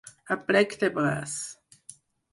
A plec de braç.